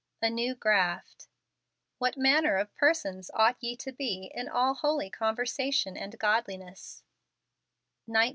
A New Graft. "Tr7m£ manner of persons ought ye to be in all holy conversation and godliness f" 19.